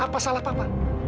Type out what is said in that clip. apa salah papa